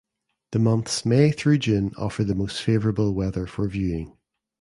The months May through June offer the most favorable weather for viewing.